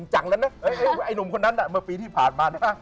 จนกว่าบ้าน